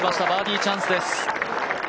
バーディーチャンスです。